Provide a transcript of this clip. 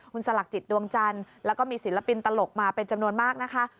คุณสลักจิตดวงจันทร์แล้วก็มีศิลปินตลกมาเป็นจำนวนมากนะคะ